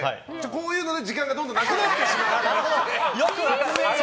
こういうので時間がなくなってしまうので。